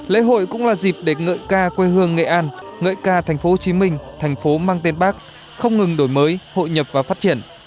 lễ hội cũng là dịp để ngợi ca quê hương nghệ an ngợi ca tp hcm thành phố mang tên bác không ngừng đổi mới hội nhập và phát triển